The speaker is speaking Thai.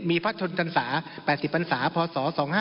มีภาชนกรรษา๘๐ภาษาพศ๒๕๐